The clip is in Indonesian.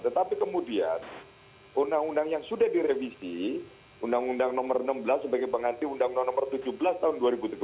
tetapi kemudian undang undang yang sudah direvisi undang undang nomor enam belas sebagai pengganti undang undang nomor tujuh belas tahun dua ribu tujuh belas